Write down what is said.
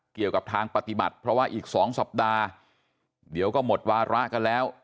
เกี่ยวกับทางปฏิบัติเพราะว่าอีก๒สัปดาห์เดี๋ยวก็หมดวาระกันแล้ว